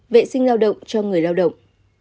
vệ sinh lao động cho người lao động